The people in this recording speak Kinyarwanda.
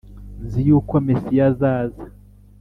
“Nzi yuko Mesiya azaza